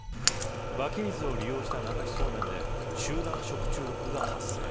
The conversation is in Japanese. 湧き水を利用した流しそうめんで集団食中毒が発生。